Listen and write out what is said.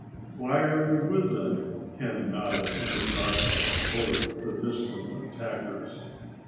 "Why are you with them?" Ken nodded in the darkness toward the distant attackers.